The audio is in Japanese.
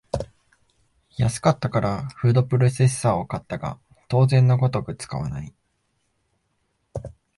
安かったからフードプロセッサーを買ったが当然のごとく使わない